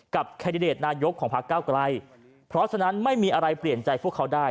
แคนดิเดตนายกของพักเก้าไกลเพราะฉะนั้นไม่มีอะไรเปลี่ยนใจพวกเขาได้